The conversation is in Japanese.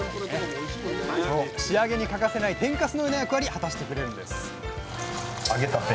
仕上げに欠かせない「天かす」のような役割果たしてくれるんです揚げたて。